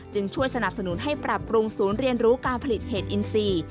ช่วยสนับสนุนให้ปรับปรุงศูนย์เรียนรู้การผลิตเห็ดอินซี